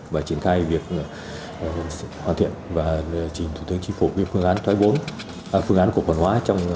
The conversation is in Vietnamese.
và triển khai việc hoàn thiện và trình thủ tướng chính phủ việc phương án cổ phần hóa